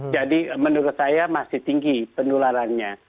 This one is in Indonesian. jadi menurut saya masih tinggi penularannya